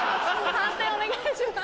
判定お願いします。